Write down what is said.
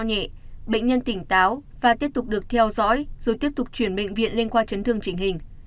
sáu bệnh nhân bị gãy bệnh nhân tỉnh táo và tiếp tục được theo dõi rồi tiếp tục chuyển bệnh viện lên khoa chấn thương chỉnh hình